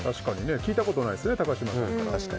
聞いたことないですね高嶋さんから。